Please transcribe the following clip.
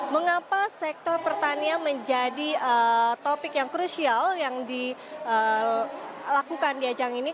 mengapa sektor pertanian menjadi topik yang krusial yang dilakukan di ajang ini